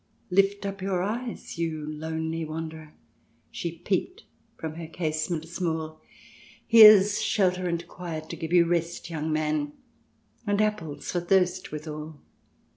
"' Lift up your eyes, you lonely Wanderer,' She peeped from her casement small ;' Here's shelter and quiet to give you rest, young man, And apples for thirst withal.'